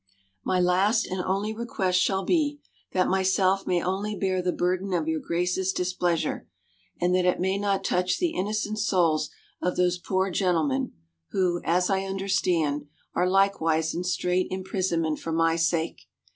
" My last and only request shall be, that myself may only bear the burden of your Grace's displeasure, and that it may not touch the innocent souls of those poor gentlemen, who (as I understand), are likewise in strait imprisonment for my sake.